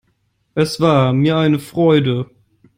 Es war mir eine Freude.